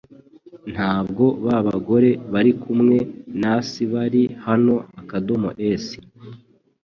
Ntabwo ba bagore barikumwe nasbari hano .s